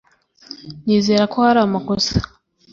nizera ko hari amakosa